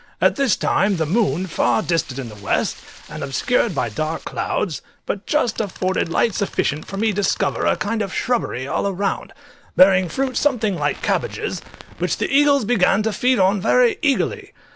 At this time the moon, far distant in the west, and obscured by dark clouds, but just afforded light sufficient for me to discover a kind of shrubbery all around, bearing fruit something like cabbages, which the eagles began to feed on very eagerly.